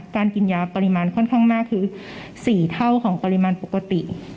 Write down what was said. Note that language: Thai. กินยาปริมาณค่อนข้างมากคือ๔เท่าของปริมาณปกติ